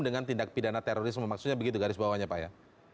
dengan tindak pidana terorisme maksudnya begitu garis bawahnya pak ya